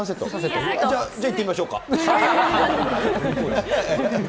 じゃあ、いってみましょうか。